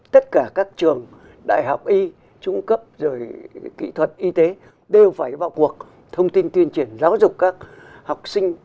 tất cả các trường đại học y trung cấp rồi kỹ thuật y tế đều phải vào cuộc thông tin tuyên truyền giáo dục các học sinh